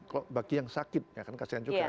kalau bagi yang sakit ya kan kasihan juga